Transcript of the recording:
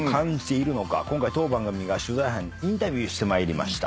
今回当番組がインタビューしてまいりました。